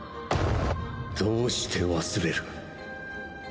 どうして忘れる？